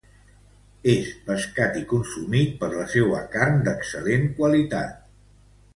És pescat i consumit per la seua carn d'excel·lent qualitat.